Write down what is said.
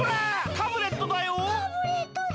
タブレットだ。